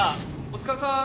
お疲れさん！